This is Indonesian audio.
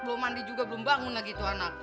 belum mandi juga belum bangun lagi tuh anak